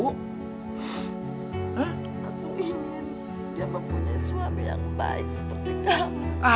aku ingin dia mempunyai suami yang baik seperti kamu